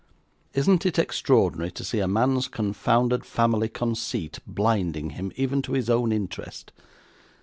Isn't it extraordinary to see a man's confounded family conceit blinding him, even to his own interest?